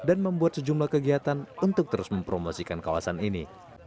dan membuat sejumlah kegiatan untuk terus mempromosikan kawasan ini